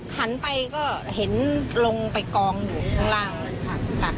ขันไปก็เห็นลงไปกองอยู่ข้างล่าง